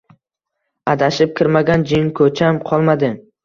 Adashib kirmagan jinko`cham qolmadi